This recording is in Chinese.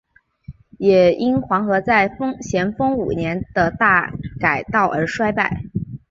也因黄河在咸丰五年的大改道而衰败。